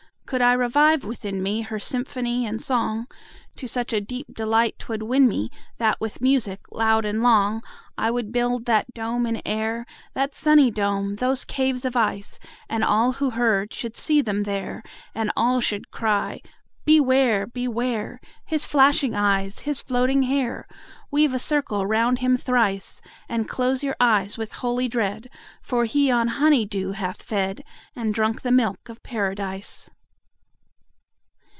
Could I revive within me, Her symphony and song, To such a deep delight 'twould win me, That with music loud and long, 45 I would build that dome in air, That sunny dome! those caves of ice! And all who heard should see them there, And all should cry, Beware! Beware! His flashing eyes, his floating hair! 50 Weave a circle round him thrice, And close your eyes with holy dread, For he on honey dew hath fed, And drunk the milk of Paradise.